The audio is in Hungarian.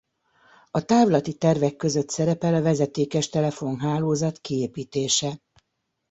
A távlati tervek között szerepel a vezetékes telefonhálózat kiépítése.